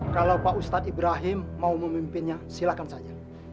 kalau pak ustadz ibrahim mau memimpinnya silakan saja